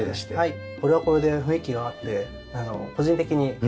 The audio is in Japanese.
これはこれで雰囲気があって個人的に好きなので。